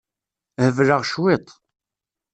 Hebleɣ cwiṭ.